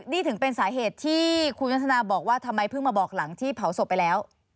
นี่ถึงเป็นสาเหตุที่คุณวัฒนาบอกว่าทำไมเพิ่งมาบอกหลังที่เผาศพไปแล้ว